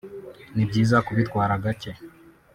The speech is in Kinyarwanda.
ni byiza kubitwara gake